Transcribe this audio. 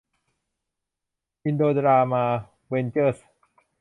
อินโดรามา เวนเจอร์ส